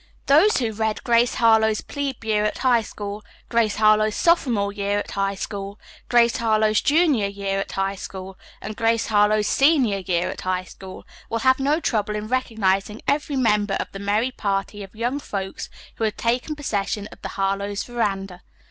Those who read "Grace Harlowe's Plebe Year at High School," "Grace Harlowe's Sophomore Year at High School," "Grace Harlowe's Junior Year at High School" and "Grace Harlowe's Senior Year at High School" will have no trouble in recognizing every member of the merry party of young folks who had taken possession of the Harlowes' veranda.